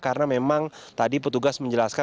karena memang tadi petugas menjelaskan